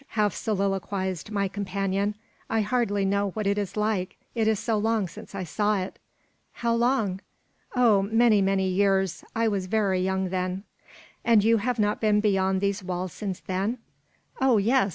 half soliloquised my companion; "I hardly know what it is like, it is so long since I saw it." "How long?" "Oh, many, many years; I was very young then." "And you have not been beyond these walls since then?" "Oh yes!